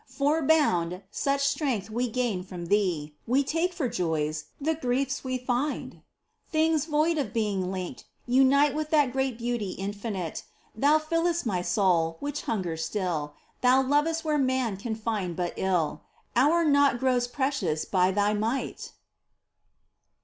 For bound, such strength we gain from Thee, We take for joys the griefs we find ! POEMS, 17 Things void of being linked, unite With that great Beauty Infinite : Thou fiU'st my soul, which hungers still : Thou lov'st where men can find but ill : Our naught grows precious by Thy might